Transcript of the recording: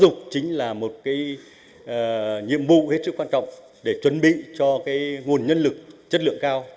tục chính là một nhiệm vụ hết sức quan trọng để chuẩn bị cho nguồn nhân lực chất lượng cao